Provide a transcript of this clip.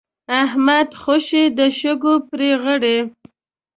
احمد خوشی د شګو پړي غړي.